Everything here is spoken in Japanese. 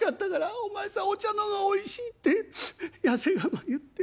お前さんお茶の方がおいしいって痩せ我慢言って。